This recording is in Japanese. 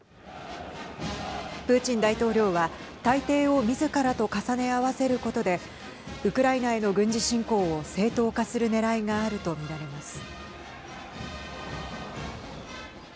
プーチン大統領は大帝をみずからと重ね合わせることでウクライナへの軍事侵攻を正当化するねらいがあるとみられます。